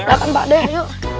dateng pak deh yuk